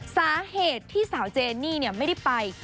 สาเหตุที่สาวเจนี่ไม่ได้ไป